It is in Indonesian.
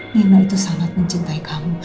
nino itu sangat mencintai kamu